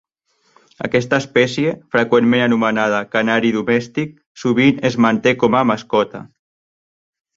Aquesta espècie, freqüentment anomenada canari domèstic, sovint es manté com a mascota.